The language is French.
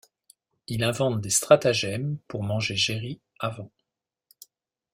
Il invente des stratégèmes pour manger Jerry avant.